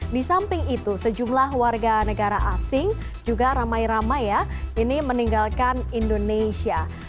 di samping itu sejumlah warga negara asing juga ramai ramai ya ini meninggalkan indonesia